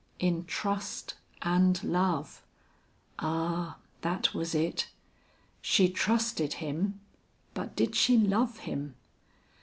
In trust and love; ah! that was it. She trusted him, but did she love him?